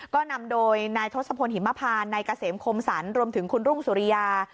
ก็นำโดยนายทศพลหิมพานนายเกษมคมสรรรวมถึงคุณรุ่งสุริยา